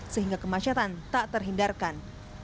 sehingga kemacetan tak terhindarkan